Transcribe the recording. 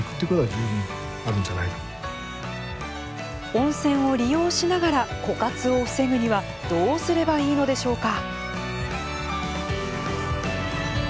温泉を利用しながら枯渇を防ぐにはどうすればいいのでしょうか。